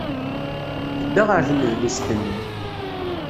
Tedda ɣer tnedlist-nni.